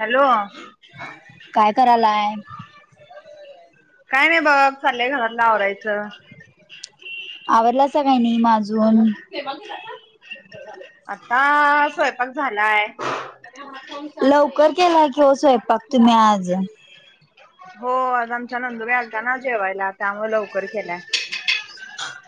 Hello [inaudible] काय करालाय. काय नाही बघ चाललय घरातल आवरायचं. आवराल सगळ्यांनी म आजून. आत्ता स्वयंपाक झालाय. लवकर केला की हो स्वयंपाक तुम्ही आज. [inaudible] हो आमच्या नंदू बाई आलत्याना जेवायला त्यामुळे लवकर केलाय.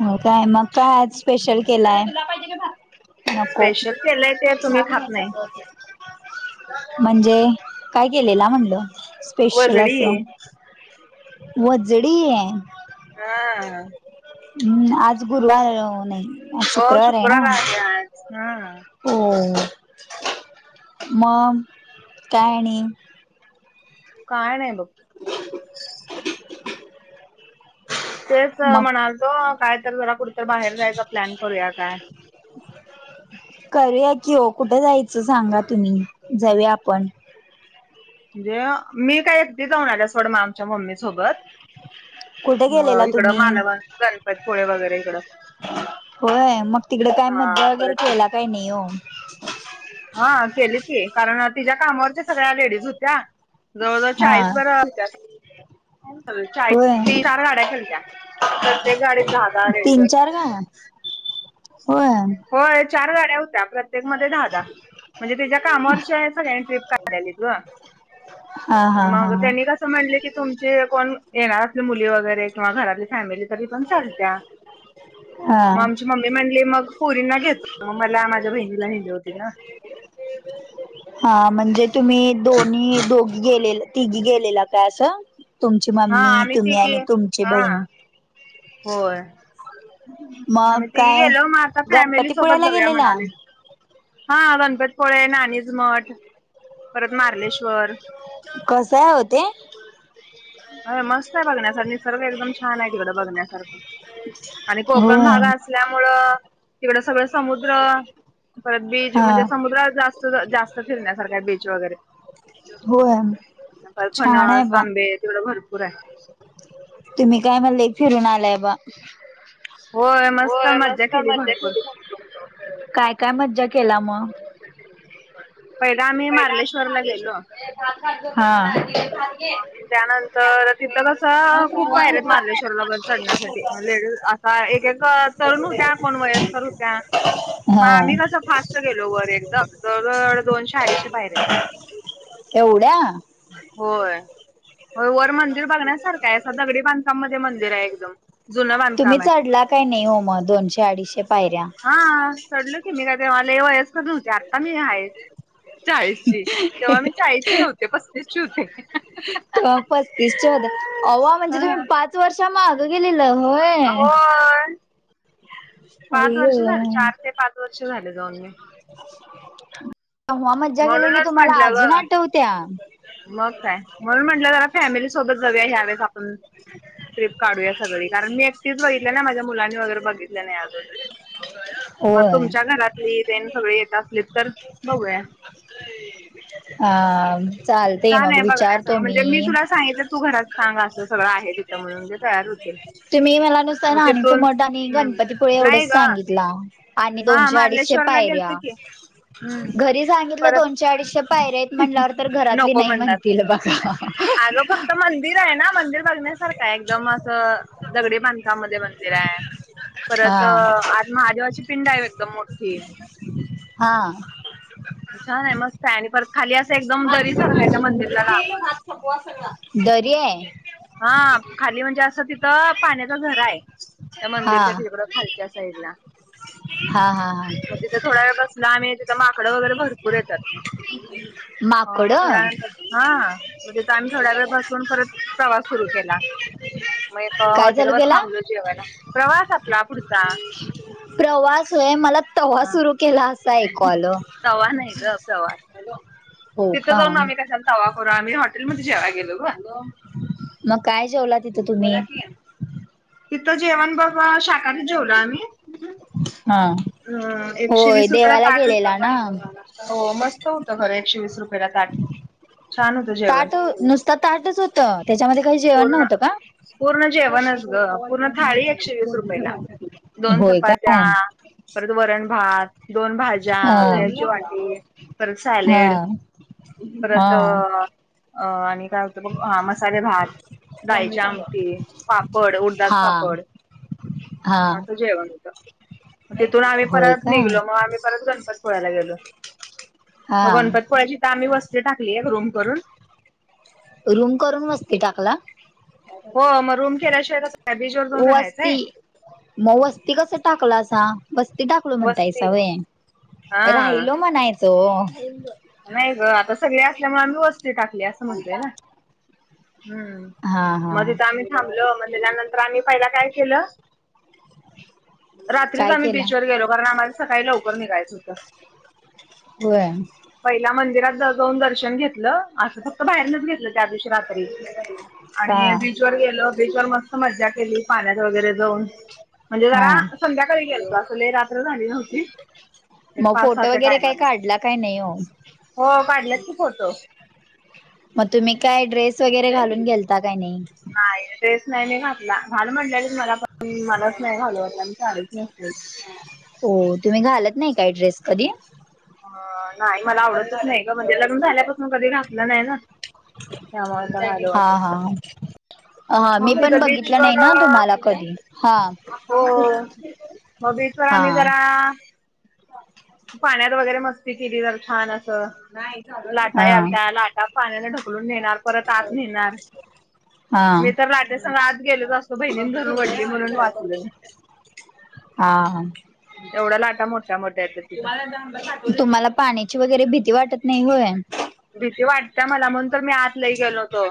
हो काय मग काय आज? स्पेशल केलाय नको. स्पेशल केलंय ते तुम्ही खात नाही [inaudible] म्हणजे काय केलेला म्हणलं स्पेशल वजडी असं. व जडी. हे हा. हम्म आज गुरुवार नही. [inaudible] ओ शुक्रवार हे आज ह. [inaudible] हो मम काय आणि काय नाही बघ. [inaudible] तेच मग म्हणालतो काय तर जरा कुठ तर बाहेर जायचा प्लॅन करूया काय? करूया की हो कुठं जायचं सांगा तुम्ही जाऊ या आपण. म्हणजे मी काय एकदी जाऊन आल्या सोड म आमच्या मम्मी सोबत. कुठे ह गेलेला इकडं तुम्ही मालवंत गणपतपुळे वगैरे इकडं. होय मग तिकड काय मज्जा वगैरे केला काही नाही हो. ह केली की कारण तिज्या कामावरच्या सगळ्या लेडीज होत्य. जवळ जवळ हा चाळीस बरं आलत्या. चाळीस होय तीस चार गाड्या केलत्या, प्रत्येक गाडीत दहा, दहा लेडीज तीन होत्या. चार गाड्या होय. होय, चार गाड्या होत्या प्रत्येक प्रत्येक मध्ये दहा दहा म्हणजे, त्याच्या कामावरच्यांनी सगळ्यांनी ट्रिप काढलेली गं. हा हा हा हा. [unintelligible] म्हणले, की तुमचे कोण येणार असतील, मुली वगैरे किंवा घरातली फॅमिली? तरी पण चालत्या हा मग आमची मम्मी म्हणली, मग पोरींना घेत होतो, म मला माझ्या बहिणीला नेली होती, ना. हा म्हणजे तुम्ही दोनी, दोघी गेलेला तिघी गेलेला काय असं? तुमची हा मम्मी आम्ही तुम्ही तिघी आणि तुमची हा बहीण होय, मग आम्ही तिघी काय गेलो, मग आता फॅमिली सोबत गणपतीपुळ्याला जाऊया गेलेला म्हणालोय. हा गणपतीपुळे, राणीच मठ परत मार्लेश्वर कसंय, ओ ते? अयं मस्त आहे बघण्यासाठी. खरं एकदम छान! आहे तिकडे बघण्यासारखं आणि कोकण होय भाग त्यामुळं तिकडं सगळ समुद्र परत बीच हा म्हणजे समुद्र जास जास्त फिरण्या सारखे आहे, बिच वगैर. होय [unintelligible] छान आहे फणस, बा आंबे तिकड भरपूर आहे. [unintelligible] तुम्ही काय म लय फिरून आलाय, बा? होय, मस्त मज्जा केली भरपुर. काय काय, मज्जा केला मग? पहिला आम्ही मार्लेश्वरला गेलो पहिला आम्ही [unintelligible] त्यानंतर तिथं कसं खूप पायऱ्या आहेत, मार्लेश्वरला वर चढण्यासाठी लेडीज हा एक एक तरुण होत्या, कोण वयस्कर होत्या. मग हा. आम्ही कसं फास्ट गेलो वर एकदाम जवळ जवळ दोनशे, अडीचशे पायय्रा आहेत. एवढ्या! होय, हो वर मंदिर बघण्यासारखं आहे, दगडी बांधकाम मध्ये मंदिर आहे एकदम. जुनं तुम्ही बांधकाम आहे चढला काय नाही हो, मग दोनशे अडीचशे पायऱ्या? हा चढलो, की मी काय तेव्हा लय वयस्कर नव्हते, आत्ता मी आहे. चाळीस ची तेव्हा मी चाळीसची नव्हते, पस्तीस ची होते. तेव्हा पस्तीस च्या होता, अवा म्हणजे तुम्ही हा पाच वर्ष माग गेलेला होय. होय पाच आई वर्ष झाले, गं चार ते पाच वर्ष झाले जाऊन मी. तेव्हा मज्जा केलेली, म्हणूनच तुम्हाला म्हंटलं अजून ग आठवत्या. मग काय म्हणून म्हटलं, जरा फॅमिली सोबत जाऊया ह्या वेळेस आपण. ट्रिप काढू या सगळी कारण, मी एकटीच बघितल्या ना माझ्या मुलांनी वगैरे बघितलं नाही अजून. मग होय तुमच्या घरातली तेन सगळे येत, असली तर बघूया? आ आ. छान! आहे बघण्यास म्हणजे मी तुला सांगितलं, तू घरात सांग असं सगळं आहे तिथं म्हणून्, म्हणजे तयार होतील. तुम्ही मला नुसत मग राणीचं तिथून मठ आणि हम्म गणपतीपुळे एवढंच नाही ग सांगितला. आणि हा दोनशे, अडीचशे मार्लेश्वरला पायऱ्या. गेलतो की हम्म घरी सांगितलं परत दोनशे, अडीचशे पायऱेत म्हटल्यावर तर घरातली नको नाही म्हणणार. म्हणत अगं फक्त [unintelligible] मंदिर आहे ना मंदिर बघण्यासारखं आहे, एकदम असं दगडी बांधकामा मध्ये मंदिर आहे. परत हा आत आज महादेवाची पिंड आहे, एकदम मोठी. हा. छान! आहे मस्त आहे, आणि परत खाली असं एकदम दरी सारख आहे त्या मंदिरला लागून. दरे हा खाली म्हणजे असं तिथं पाण्याचा झरा आहे त्या हा मंदिरच्या त खालच्या साईड ला हा हा हा मगिथ थोड वेळसला आम् तिथ माकड वगैरे भरपू येतात माकड मग थोड्या नंतर हा मग तिथ आम्ही थोड्या वेळ बसून परत प्रवास सुरू केला मग एक काय हॉटेल चालू वर केला थांबलो जेवायला प्रवास आपला पुढचा प्रवासय मला तवा्हा सुरू केला असा ऐकू आल तवा हॅलो तिथ जाऊन आम्ही कशान तवाखो आ्ही हॉटेलमध्ये जे गेलो मग काय जेवला तिथं तुम्ही तिथं जेवण बाबा शाखाारी जेवलो आम्ही हा अ एकशे होय वीस रुपयाला देवाला ताट होत गेलेला पण ना हो मस्त होत खर एकशे वीस रुपयाेला ताट छान होत ताट नुसत ताटच होतं त्याच्यामध्ये काही जेवण पूर्ण नव्हतं का पूर्ण जेवणस ग पूर्ण थाळी एकशे वीस रुपयेला दोन होय चपात्या काय परत वरण भात दोन भाजी भाज्या हा दयाची वाटी परत हा सॅलेड परत हा अ आणि काय होतं बघ हा मसाले भात डाळीचे आमटी पापड उरतात हा पापड हा असं जेवण होतं तिथून आम्ही होय परत काय निघलो मग आम्ही परत गणपती पोळ्याला गेलो हा मग गणपतपोळ्याची इथ आम्ही वस्तती टाकली एक रूम करून रूम करून बसते टाकला हो मग रूम केल्याशिवाय कस बीच वर जाऊन वस्ती राहायचंय मग वस्ती कस टाकलं असा मस्ती टाकलो म्हणताय वस्ती सवय हा. राहिलो म्हणायचं नाही ग आता सगळे असल्यामुळे आम्ही वस्ती टाकली असं म्हणतय ना हा हम्म हा मग तथं आम्ही थांबल मग त्या त्यानंतर आम्ही पहिला काय केलं रात्रीच काय आम्ही केला बीचवर गेलो कारण आम्हाला सकाळी लवकर निघायचं होतं वय पहिला मंदिरात जाऊन दर्शन घेतलं असं फक्त बाहेरनच घेतलं त्या दिवशीा का आणि बीच व गेल बीच वर मस्त मज्जा केली पाण्यात वगैरे जाऊन म्हणजे हा जरा संध्याकाळी गेलचो असले रात्र झाली नव्हती एक मग पाच फोटो सहाच्या वगैरे काही टायमाला काढला काय नाही हो हो काढलंप होतो मग तुम्ही काय ड्रेस वगैरे घालून घेलता काय नाही नाही तेच नाही मी घातला घाल म्हटल्या मला पण मलाच नाही घाल वाटलं लेूच नसते हो तुम्ही घालत नाही काही ड्रेस कधी नाही मला आवडतच नाही का म्हणजे लग्न झाल्यापासून कधी घातलं नाही ना त्यामुळे तर घालू हा वाटत नाही. हा हा मी मग पण तिथं बघितलं नाही बीचवर ना तुम्हाला कधी हा हो मग बीशवर् हा जरा पाण्यात वगैरे मस्ती केली तर छान अस लाटा हा याच्या लाटा पाण्याने ढकलून नेणार परत आत नेणार हा मी तर लाटेसंग आत गेलोच असतो बहिणीनं धरून वडली म्हणून वाचल मी हां एवढ्या लाटा मोठ्या मोठ्या आहेत तुम्हाला पाण्याची वगैरे भीती वाटत नाही होय भीती वाटते मला म्हणून तर मी आत लही गेलो होतो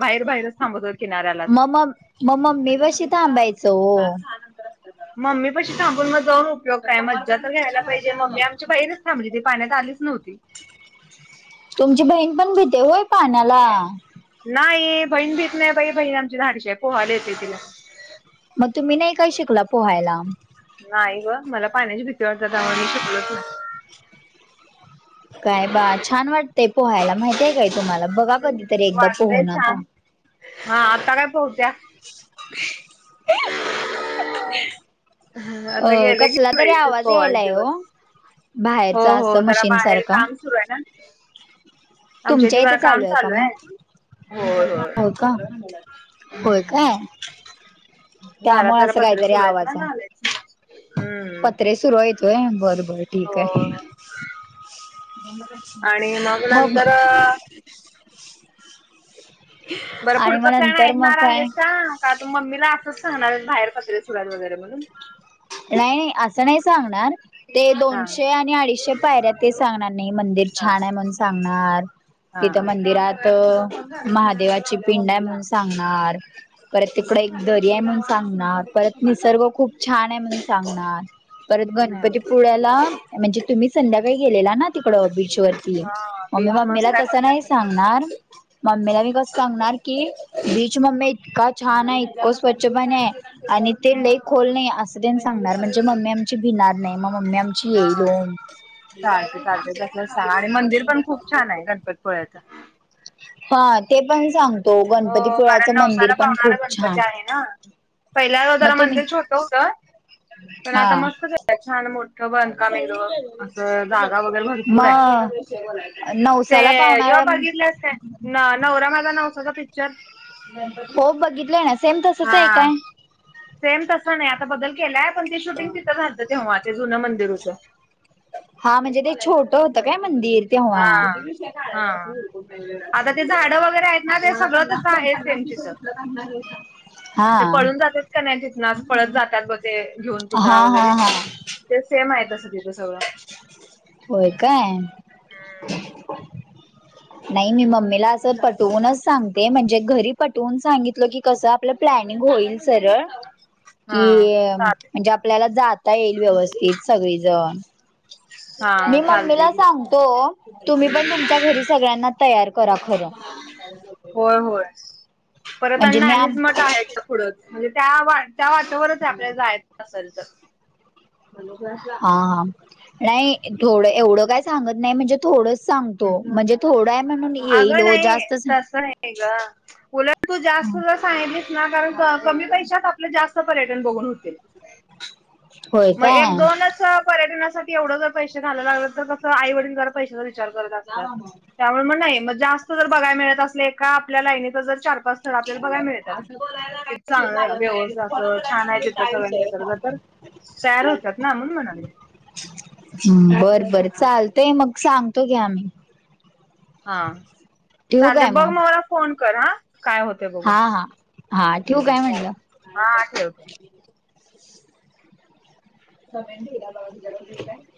बाहेर बाहेरच थांबत हो किनाऱ्यालाच आम मग... मम्मी पशी थांबायचं ओ मम्मीपशी थांबून मग जाऊन उपयोग काय? मज्जा तर घ्यायला पाहिजे, मम्मी आमची बहिण थांबली होती. ती पाण्यात आलीच नव्हती तुमची बहीण पण, भीते होय पाण्याला? नाई... बहीण भीेत नाई, बाई... बहीण आमची धाडशी है. पोहायला येतंय तिला मग तुम्ही नाई काय शिकला पोहायला? नाही गं... मला पाण्याची भिती वाटते, त्यामुळे मी शिकलोच नाय काय बा... छान वाटतंय पोहायला माहितीय काय तुम्हाला... बघा, कधीतरी एकदा वाटतय पोहून आता छान हा... आत्ता काय पोहत्या? [inaudible] अ... आता गेलं की कसला तरी पाहिजे आवाज पोवायच यायलाय दिवस हो हो बाहेरचा, हो असं जरा मशीन बाहेर सारखा काम सुरू आहे ना आमच्या तुमच्या इथे इथं जरा चालू काम ए का आहे मग? होय होय हो का? होय काय? दारात त्यामुळे जरा असं पत्रे काहीतरी सुरू आहेत आवाज ना ए घालायची हम्म पत्रे सुरूयेत होय, बरं बरं हो ठीकए. आणि मग म... भ नंतर बरं... आणि मग पुढचा प्लॅन नंतर मग ऐकणार काय आहेस का? का... त... मम्मीला असंच सांणार ए... बाहेर पत्रे सुरू हेत वगैरे म्हणून नाई नाई... असं नाही सांगणार. ते हा दोनशे आणि अडीचशे पायऱ्यात ते सांगणार नाई... मंदिर हा छान ए म्हणून सांगणार, तिथं हा मंदिरात त... महादेवाची पिंड ए म्हणून सांगणार परत तिकडं एक दरी ए म्हणून सांगनार, परत निसर्ग खूप छान नाय म्हणून सांगणार, परत गणपती पुळ्या ला म्हणजे... तुम्ही संध्याकाळी गेलेला ना, तिकडं बीचवर हा मग, मी बीच मम्मीला मस्त आहे तसं नाही बघण्यासारखं सांगणार मम्मीला मी कस सांगणार, की बीच.... मम्ये, इतका छान आहे, इतकं स्वच्छ पानी हाये आणि ते लय खोल नई असं तेन सांगणार, म्हणजे मम्मी आमची भिणार नाही. मग मम्मी हा चालते चालते तसंच सांग आणि मंदिर पण खूप [unintelligible] [inaudible] छान ये गणपती गोव्याचा हा... ते पण सांग हो, कारण नवसाला पावणारा छान गणपती आहे ना... पहिल्यांदा, मग जरा तुम्ही मंदिर छोटं होतं पण आता हा मस्त केलंय... छान मोठं... बांधकाम एकदम, असं जागा वगैरे भरपूर ए नऊ ते... ह्यो बघितलंस काय नवरा माझा नवसाचा पिच्चर हो... बघितलंय ना... सेम तसंच हा ए काय? सेम तसं नाई... आता बदल केलाय, पण ते शूटिंग तिथं झालतं तेव्हा ते जुनं मंदिर होतं हा... म्हणजे, ते छोटं होतं काय मंदिर? तेव्हा हा [inaudible] हा आता ते झाडं वगैरे आहेत ना ते सगळं तसं आहे सेम तिथं हा. ते पळून जातात का नाही तिथनं असं पळत जातात बघ ते घेऊन पुतळा हां... वगैरे हां... हा. ते सेम हाय, तसं तिथं सगळं होय काय? नाई, मी मम्मीला असं पटवूनच सांगते, म्हणजे घरी पटवून सांगितलं, की कसं आपलं प्लॅनिंग होईल सरळ हा कि... अं... चालते म्हणजे आपल्याला जाता येईल व्यवस्थित, सगळीजण हा मी चालते मम्मीला की सांगतो... तुम्ही पण तुमच्या घरी सगळ्यांना तयार करा खरं होय... होय... परत आणि म्हणजे [unintelligible] मी आम आहे पुढंच म्हणजे त्या वाय त्या वाटंवरच हाय... आपल्याला जायचं असल, तर [inaudible] हा... नाई, थोडं... एवढं काय सांगत नाई... म्हणजे थोडं सांगतो म्हणजे थोडाय म्हणून येईल अगं ओ नाही जास्तच तसं नाही ग उलट तू जास्त दर सांगलीस ना कारण क कमी पैशात आप आपलं जास्त पर्यटन बघून हुतील होय मगं एक, काय दोनच त पर्यटनासाठी एवढं जर पैशे घालाय लागलं तर कसं आई वडील जरा पैशाचा विचार करत असतात. त्यामुळे म नाही, मग जास्त जर बघाय मिळत असले एका आपल्या लाईनीत जर चार, पाच स्थळ आपल्याला बघाय मिळत्यात, कि चांगल व्यवस्थित असं छान हाय तिथं सगळ निसर्ग तर, तयार होतात ना, म्हणून म्हणाले मी हम बर बर चालतय मग सांगतो, घ्या मी. हा ठेवू चालतय काय बघ मग मला फोन कर हा काय होत हा हा हा ठेवू काय म्हणलं. हा ठेव ठेव. [inaudible]